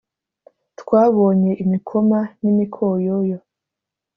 twabonye imikoma n’imikoyoyo